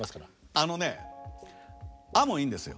あのね「あ」もいいんですよ。